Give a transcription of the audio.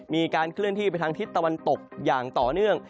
มีการเคลื่อนที่ไปทางทิศตะวันตกอย่างต่อเนื่อง